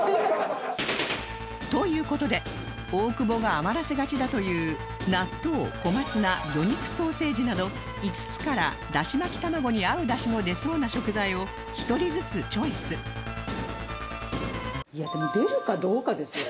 という事で大久保が余らせがちだという納豆小松菜魚肉ソーセージなど５つからダシ巻き玉子に合うダシの出そうな食材を一人ずつチョイスでも出るかどうかですよ。